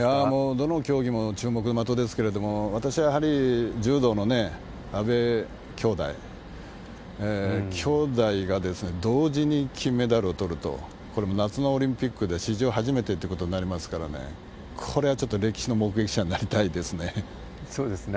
どの競技も注目の的ですけれども、私はやはり柔道の阿部きょうだい、きょうだいが同時に金メダルをとると、これ、夏のオリンピックで史上初めてっていうことになりますからね、これはちょっと歴史の目撃者になりたいですね。